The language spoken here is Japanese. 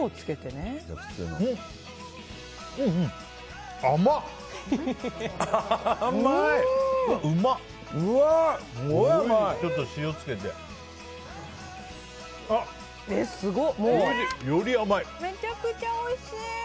めちゃくちゃおいしい！